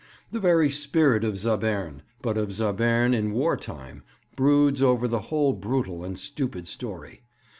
The very spirit of Zabern, but of Zabern in war time, broods over the whole brutal and stupid story.